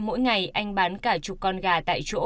mỗi ngày anh bán cả chục con gà tại chỗ